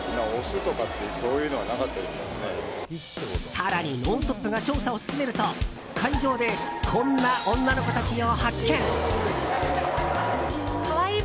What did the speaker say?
更に「ノンストップ！」が調査を進めると会場でこんな女の子たちを発見。